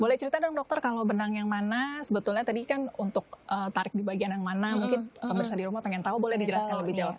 boleh cerita dong dokter kalau benang yang mana sebetulnya tadi kan untuk tarik di bagian yang mana mungkin pemirsa di rumah pengen tahu boleh dijelaskan lebih jauh